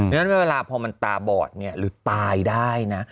ฉะนั้นเวลาพอมันตาบอดเนี่ยหรือตายได้นะ